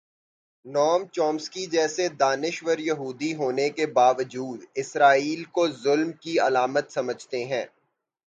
نوم چومسکی جیسے دانش وریہودی ہونے کے باوجود اسرائیل کو ظلم کی علامت سمجھتے ہیں۔